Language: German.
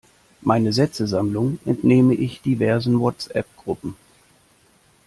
Meine Sätzesammlung entnehme ich diversen Whatsappgruppen.